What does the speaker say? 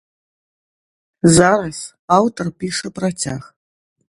Зараз аўтар піша працяг.